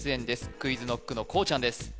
ＱｕｉｚＫｎｏｃｋのこうちゃんです